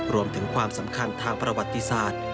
รวมถึงความสำคัญทางประวัติศาสตร์